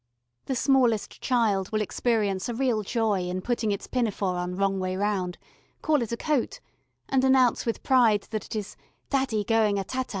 The smallest child will experience a real joy in putting its pinafore on wrong way round, call it a coat, and announce with pride that it is "Daddy going a tata."